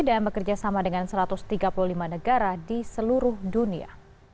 dan bekerja sama dengan satu ratus tiga puluh lima negara di seluruh dunia